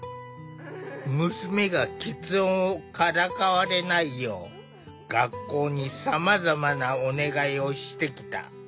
娘がきつ音をからかわれないよう学校にさまざまなお願いをしてきた。